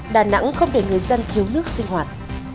đà nẵng không để người dân thiếu nước sinh hoạt